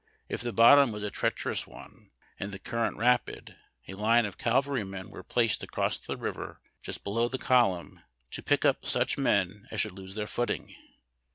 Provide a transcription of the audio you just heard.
If the bottom was a treacherous one, and the current rapid, a line of cavalry men was placed across the river just below the column to pick up such men as should lose their footing.